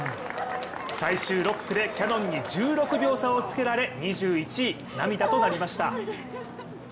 最終６区でキヤノンに１６秒差をつけられ２１位、涙となりました。